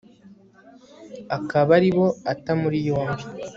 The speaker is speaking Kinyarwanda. akaba ari bo ata muri yombi